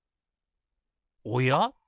おや？